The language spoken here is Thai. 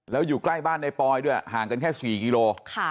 แล้วอยู่ใกล้บ้านในปอยด้วยห่างกันแค่๔กิโล